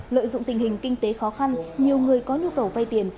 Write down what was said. lợi dụng tình hình kinh tế khó khăn nhiều người có nhu cầu vay tiền